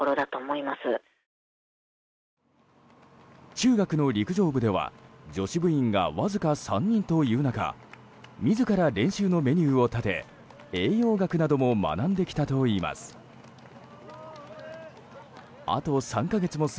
中学の陸上部では女子部員がわずか３人という中自ら練習のメニューを立て栄養学なども学んできたといいます。